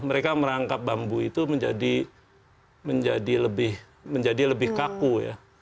mereka merangkap bambu itu menjadi lebih kaku ya